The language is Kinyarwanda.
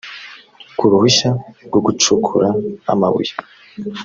ku ruhushya rwo gucukura amabuye